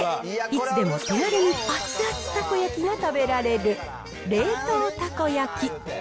いつでも手軽に熱々たこ焼きが食べられる、冷凍たこ焼き。